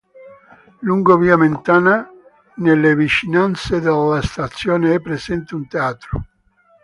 Lungo via Mentana, nelle vicinanze della stazione è presente un teatro.